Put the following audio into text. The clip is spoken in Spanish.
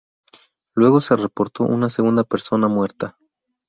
Luego se reportó una segunda persona muerta.